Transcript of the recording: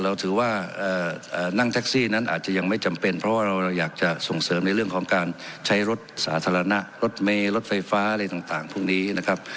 เราอยากจะส่งเสริมในเรื่องของการใช้รถสาธารณะรถเมลรถไฟฟ้าอะไรต่างพวกนี้นะครับ